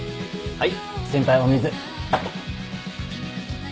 はい？